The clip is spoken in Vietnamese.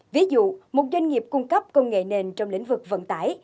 ví dụ một doanh nghiệp cung cấp công nghệ nền trong lĩnh vực vận tải